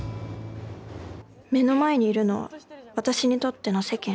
目の前にいるのは私にとっての「世間」。